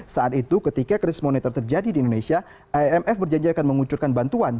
saat itu ketika krisis monitor terjadi di indonesia imf berjanjikan menguncurkan bantuan